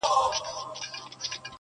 ككرۍ چي يې وهلې د بتانو-